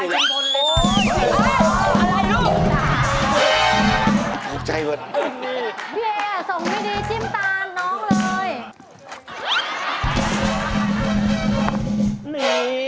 เย่